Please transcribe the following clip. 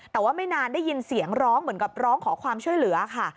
แต่ว่าไม่นานได้ยินเสียงร้องเหมือนกับร้องขอความช่วยเหลือค่ะ